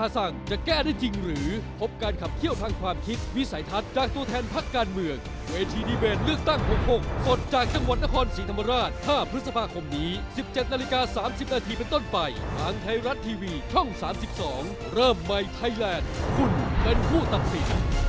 ฟังไทรัสทีวีช่อง๓๒เริ่มใหม่ไทแลนด์คุณเป็นผู้ตัดสิน